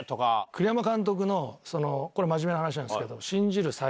栗山監督のこれ真面目な話なんですけど。